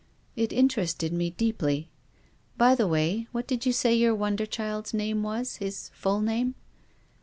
^' "It interested me deeply. By the way — what did you say your wonder child's name was, his full name